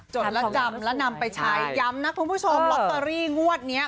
จดแล้วจำแล้วนำไปใช้ย้ำนะคุณผู้ชมลอตเตอรี่งวดนี้